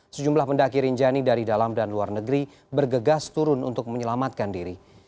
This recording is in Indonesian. sejumlah pendaki rinjani dari dalam dan luar negeri bergegas turun untuk menyelamatkan diri